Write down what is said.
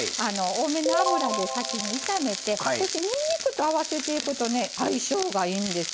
多めの油で先に炒めてそしてにんにくと合わせていくとね相性がいいんですよ。